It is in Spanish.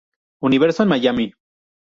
Universo en Miami.